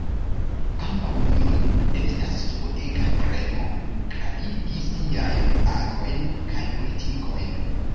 Ambaŭ nun estas sub ega premo klarigi siajn agojn kaj politikojn.